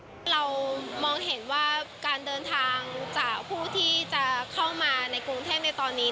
เรามองเห็นว่าการเดินทางจากผู้ที่จะเข้ามาในกรุงเทพในตอนนี้